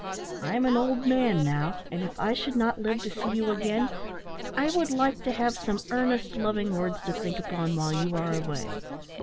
I'm an old man now, and if I should not live to see you again, I would like to have some earnest, loving words to think upon while you are away."